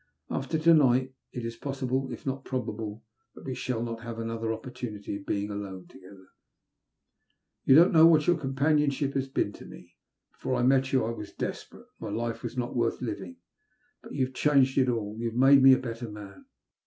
After to night it is possible, if not probable, that we shall not have another opportunity of being alone together. You don't know what your companionship has been to me. Before I met you, I was desperate. My life was not worth living ; but you have changed it all — you have made me a better man.